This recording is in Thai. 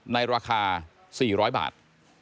ในราคา๔๐๐บาท